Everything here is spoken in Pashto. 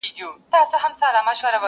د مچانو او ډېوې یې سره څه,